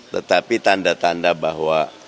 tetapi tanda tanda bahwa